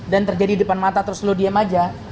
dan terjadi depan mata terus lo diem aja